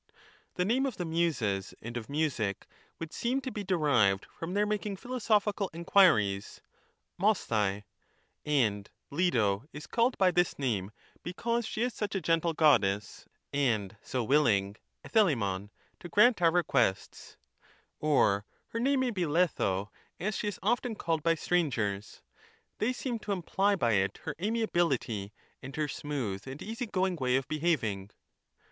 The name of the Muses and of music would seem to be derived from their making philosophical enquiries (jicoaOai) ; and Leto is called by this name, because she is such a gentle Goddess, and so willing (e6eXTjiio)v) to grant our requests ; or her name may be Letho, as she is often called by strangers — they seem to imply by it her amiability, and her smooth and easy going way of be having.